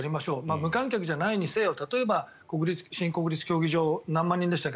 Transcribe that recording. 無観客じゃないにせよ例えば新国立競技場何万人でしたっけ